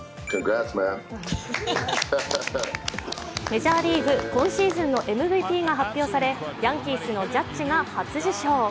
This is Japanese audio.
メジャーリーグ、今シーズンのＭＶＰが発表され、ヤンキースのジャッジが初受賞。